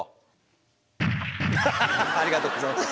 ありがとうございます。